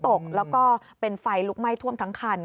ตกแล้วก็เป็นไฟลุกไหม้ท่วมทั้งคัน